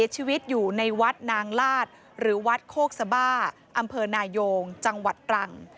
ชีวิตอยู่ในวัดนางลาดหรือวัดโคกสบ้าอำเภอนายงจังหวัดตรัง